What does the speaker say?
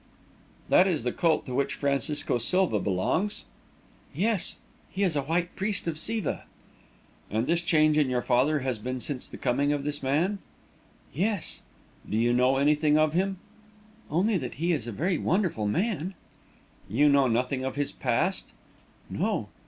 "That is the cult to which Francisco Silva belongs?" "Yes; he is a White Priest of Siva." "And this change in your father has been since the coming of this man?" "Yes." "Do you know anything of him?" "Only that he is a very wonderful man." "You know nothing of his past?" "No."